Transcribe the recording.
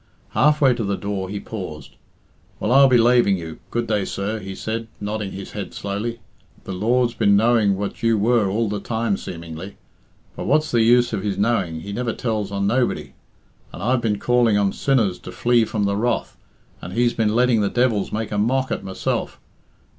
Half way to the door he paused. "Well, I'll be laving you; good day, sir," he said, nodding his head slowly. "The Lord's been knowing what you were all the time seemingly. But what's the use of His knowing He never tells on nobody. And I've been calling on sinners to flee from the wrath, and He's been letting the devils make a mock at myself!